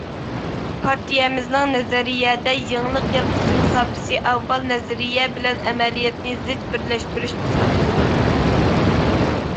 پارتىيەمىزنىڭ نەزەرىيەدە يېڭىلىق يارىتىش مۇساپىسى ئاۋۋال نەزەرىيە بىلەن ئەمەلىيەتنى زىچ بىرلەشتۈرۈش مۇساپىسىدۇر.